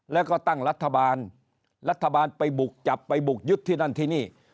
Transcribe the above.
แล้วก็ตั้งรัฐบาลรัฐบาลไปบุกจับไปบุกยึดที่นั่นที่นี่